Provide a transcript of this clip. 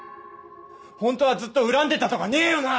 ホントはずっと恨んでたとかねえよな